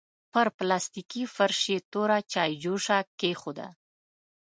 پر پلاستيکي فرش يې توره چايجوشه کېښوده.